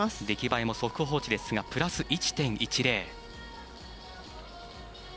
出来栄えも速報値ですがプラス１．１０。